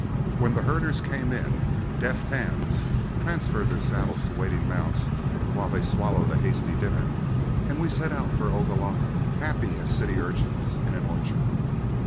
When the herders came in deft hands transferred their saddles to waiting mounts while they swallowed a hasty dinner, and we set out for Ogalalla, happy as city urchins in an orchard.